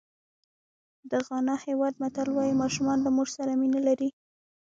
د غانا هېواد متل وایي ماشومان له مور سره مینه لري.